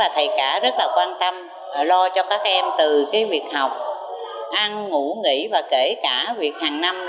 thầy cả rất là quan tâm lo cho các em từ việc học ăn ngủ nghỉ và kể cả việc hàng năm